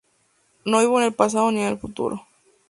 No vivo en el pasado ni en el futuro.